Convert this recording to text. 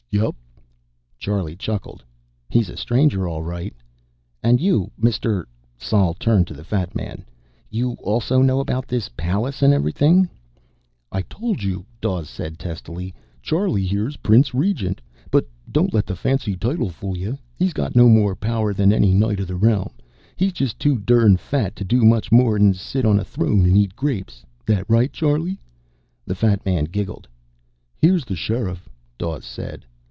"Yep." Charlie chuckled. "He's a stranger, all right." "And you, Mr. " Sol turned to the fat man. "You also know about this palace and everything?" "I told you," Dawes said testily. "Charlie here's Prince Regent. But don't let the fancy title fool you. He got no more power than any Knight of the Realm. He's just too dern fat to do much more'n sit on a throne and eat grapes. That right, Charlie?" The fat man giggled. "Here's the Sheriff," Dawes said.